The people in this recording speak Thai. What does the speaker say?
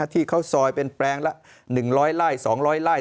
ที่เขาซอยเป็นแปลงละ๑๐๐ไร่๒๐๐ไร่